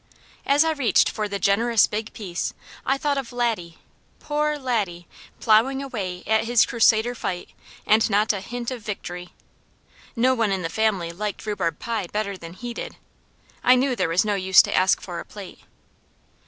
As I reached for the generous big piece I thought of Laddie poor Laddie, plowing away at his Crusader fight, and not a hint of victory. No one in the family liked rhubarb pie better than he did. I knew there was no use to ask for a plate.